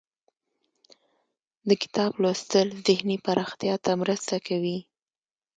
د کتاب لوستل ذهني پراختیا ته مرسته کوي.